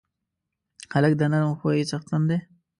هلک د نرم خوی څښتن دی.